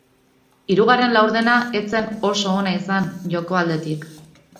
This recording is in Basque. Hirugarren laurdena ez zen oso ona izan joko aldetik.